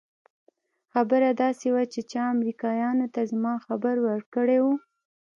خبره داسې وه چې چا امريکايانو ته زما خبر ورکړى و.